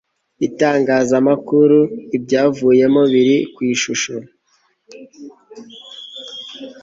itangazamakuru ibyavuyemo biri ku ishusho